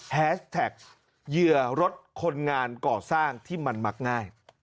แฮชแท็กเหยื่อรถคนงานก่อสร้างที่มันมักง่าย